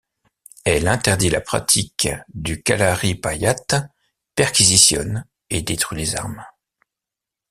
Elle interdit la pratique du kalarippayatt, perquisitionne et détruit les armes...